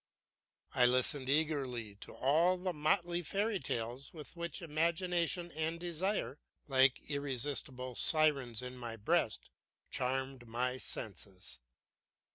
I listened eagerly to all the motley fairy tales with which imagination and desire, like irresistible sirens in my breast, charmed my senses.